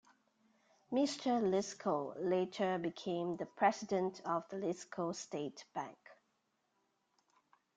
Mr. Lisco later became the president of the Lisco State Bank.